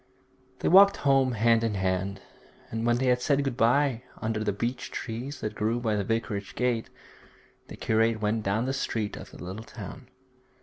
They walked home hand in hand, and when they had said good bye under the beech trees that grew by the vicarage gate, the curate went down the street of the little town.